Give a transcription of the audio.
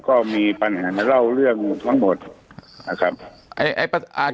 ก็มีปัญหามาเล่าเรื่องทั้งหมดนะครับ